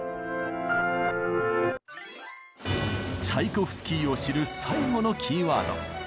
チャイコフスキーを知る最後のキーワード。